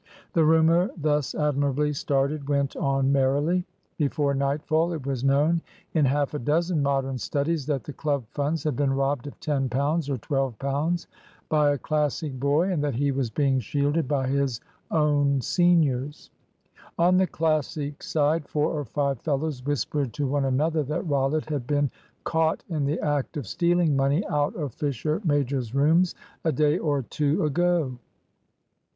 The rumour thus admirably started went on merrily. Before nightfall it was known in half a dozen Modern studies that the Club funds had been robbed of £10 or £12 by a Classic boy, and that he was being shielded by his own seniors. On the Classic side four or five fellows whispered to one another that Rollitt had been caught in the act of stealing money out of Fisher major's rooms a day or two ago.